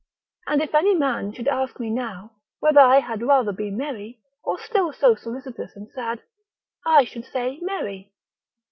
And if any man should ask me now, whether I had rather be merry, or still so solicitous and sad, I should say, merry.